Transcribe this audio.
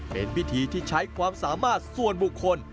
เป็นพิธีที่ใช้ความสามารถส่วนบุคคล